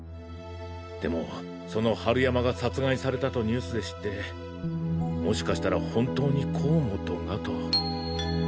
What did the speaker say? でもその春山が殺害されたとニュースで知ってもしかしたら本当に甲本がと。